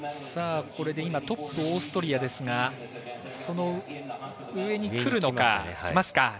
これで今、トップオーストリアですがその上にくるのか。